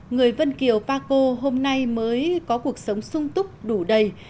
người vân kiều pa co hôm nay mới có cuộc sống sung túc đủ đầy